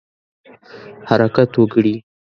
حرکت وکړي.